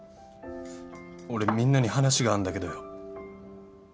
俺みんなに話があんだけどよ。